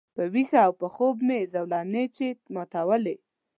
په ویښه او په خوب مي زولنې چي ماتولې